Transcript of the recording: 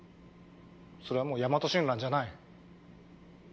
それはもうヤマトシュンランじゃない。